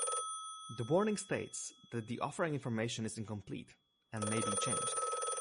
The warning states that the offering information is incomplete, and may be changed.